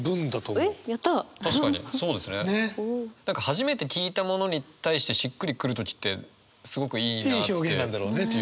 初めて聞いたものに対してしっくりくる時ってすごくいいなって。